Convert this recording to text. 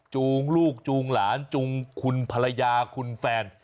จูงลูกจูงหลานจูงคุณภรรยาคุณแฟน